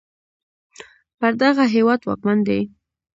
پر دغه هېواد واکمن دی